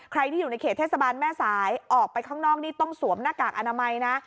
ที่อยู่ในเขตเทศบาลแม่สายออกไปข้างนอกนี่ต้องสวมหน้ากากอนามัยนะ